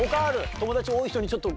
友達多い人にちょっと。